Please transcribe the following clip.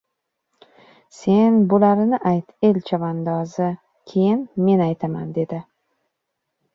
— Sen bo‘larini ayt, el chavandozi. Keyin men aytaman, — dedi.